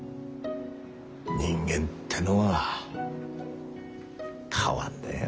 人間ってのは変わんだよ。